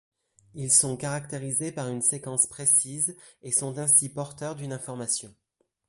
Ils sont caractérisés par une séquence précise et sont ainsi porteurs d'une information.